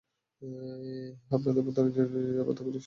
আপনাদের অভ্যন্তরীণ নিরীক্ষাপদ্ধতি শক্তিশালী করুন।